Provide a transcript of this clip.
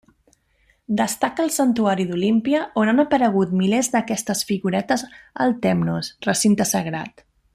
Destaca el santuari d'Olímpia on han aparegut milers d'aquestes figuretes al tèmenos, recinte sagrat.